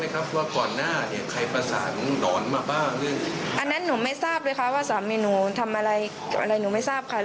คุณรู้ชาบไหมครับว่าก่อนหน้านี่ใครปฏิสารหนอนมาบ้าง